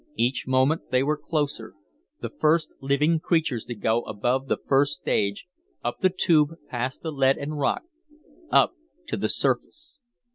Each moment they were closer, the first living creatures to go above the first stage, up the Tube past the lead and rock, up to the surface.